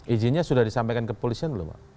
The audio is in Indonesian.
ijinnya sudah disampaikan ke polisnya belum pak